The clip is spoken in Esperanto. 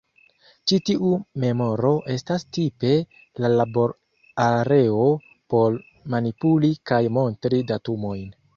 Ĉi tiu memoro estas tipe la labor-areo por manipuli kaj montri datumojn.